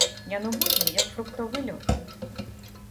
Яно будзе, як фруктовы лёд.